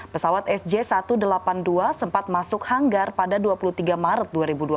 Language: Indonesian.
pesawat sj satu ratus delapan puluh dua sempat masuk hanggar pada dua puluh tiga maret dua ribu dua puluh